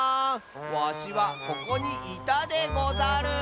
わしはここにいたでござる。